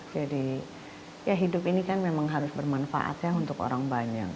jadi ya hidup ini kan memang harus bermanfaat ya untuk orang banyak